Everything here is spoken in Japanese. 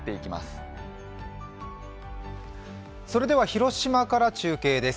広島から中継です。